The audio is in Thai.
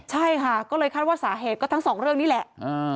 ใช่ค่ะก็เลยคาดว่าสาเหตุก็ทั้งสองเรื่องนี้แหละ